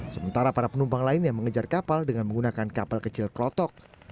sementara para penumpang lain yang mengejar kapal dengan menggunakan kapal kecil kerotok